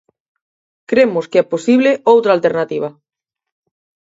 Cremos que é posible outra alternativa.